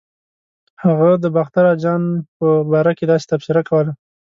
هغه د باختر اجان په باره کې داسې تبصره کوله.